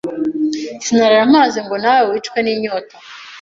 sinarara mpaze ngo na we wicwe ninyota